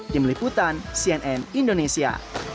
tim liputan cnn indonesia